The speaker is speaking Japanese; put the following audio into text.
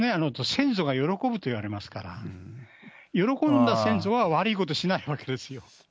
先祖が喜ぶといわれますから、喜んだ先祖は悪いことしないわけですよ。